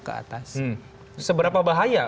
ke atas seberapa bahaya